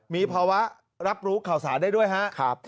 มีภาวะรับรู้ข่าวสารได้ด้วยครับ